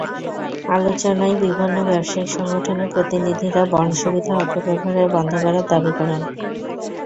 আলোচনায় বিভিন্ন ব্যবসায়িক সংগঠনের প্রতিনিধিরা বন্ড সুবিধা অপব্যবহার বন্ধ করার দাবি করেন।